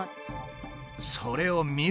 それを見るたび